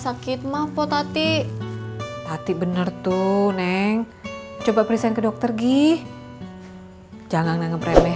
sakit mah pot hati hati bener tuh neng coba present ke dokter gi jangan ngebremeh